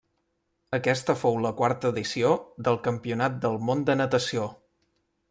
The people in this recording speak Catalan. Aquesta fou la quarta edició del Campionat del Món de natació.